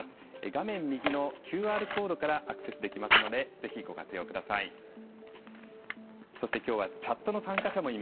画面右のＱＲコードからアクセスできますのでぜひ、ご活用ください。